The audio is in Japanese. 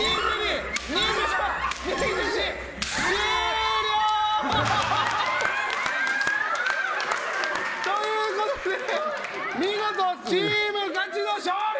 終了！ということで見事チームガチの勝利！